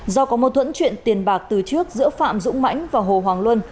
do có mâu thuẫn chuyện tiền bạc từ trước giữa phạm dũng mãnh và hồ hoàng luân